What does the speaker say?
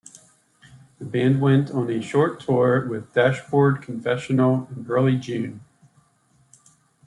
The band went on a short tour with Dashboard Confessional in early June.